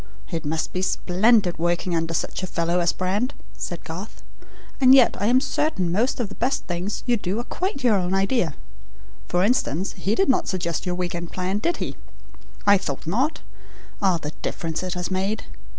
"It must be splendid working under such a fellow as Brand," said Garth; "and yet I am certain most of the best things you do are quite your own idea. For instance, he did not suggest your week end plan, did he? I thought not. Ah, the difference it has made!